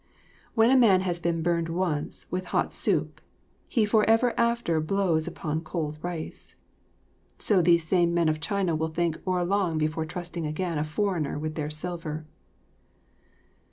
"When a man has been burned once with hot soup he forever after blows upon cold rice"; so these same men of China will think o'erlong before trusting again a foreigner with their silver.